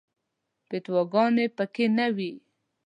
فتواګانې په کې نه وي.